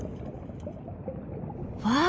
わあ！